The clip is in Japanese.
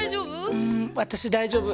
うん私大丈夫。